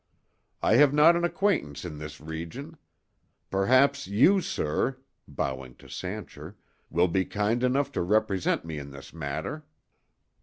"I have not an acquaintance in this region. Perhaps you, sir," bowing to Sancher, "will be kind enough to represent me in this matter."